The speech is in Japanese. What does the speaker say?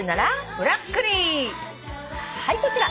はいこちら。